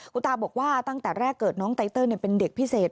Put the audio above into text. คุณตาบอกว่าตั้งแต่แรกเกิดน้องไตเติลเป็นเด็กพิเศษ